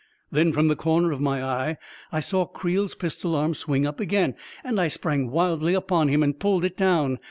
Then, from the corner of my eye, I saw Creel's pistol arm swing up again ; and I sprang wildly upon him and pulled it down.